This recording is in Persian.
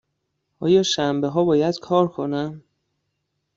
آیا شنبه ها باید کار کنم؟